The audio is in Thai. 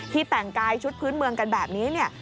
ที่แต่งกายชุดพื้นเมืองกันแบบนี้